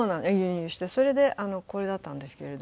それでこれだったんですけれども。